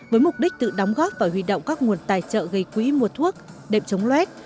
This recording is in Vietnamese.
với mục đích tự đóng góp và huy động các nguồn tài trợ gây quỹ mua thuốc đệm chống loét